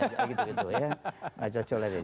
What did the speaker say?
tidak cocok lagi